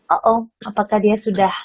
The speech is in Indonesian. oo apakah dia sudah